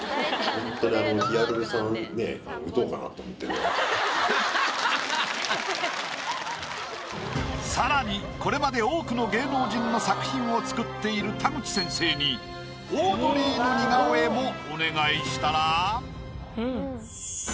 ほんとに更にこれまで多くの芸能人の作品を作っている田口先生にオードリーの似顔絵もお願いしたら。